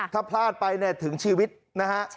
ถ้าพลาดไปถึงชีวิตนะฮะ